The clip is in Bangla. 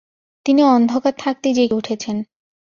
তিনি অন্ধকার থাকতেই জেগে উঠেছেন।